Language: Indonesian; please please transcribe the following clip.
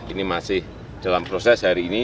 ini masih dalam proses hari ini